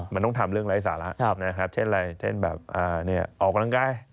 มันต้องทำเรื่องไร้สาระนะครับเช่นอะไรเช่นแบบออกกำลังกาย